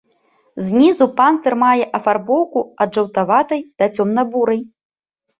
Знізу панцыр мае афарбоўку ад жаўтаватай да цёмна-бурай.